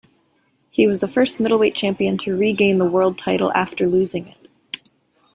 He was the first middleweight champion to regain the world title after losing it.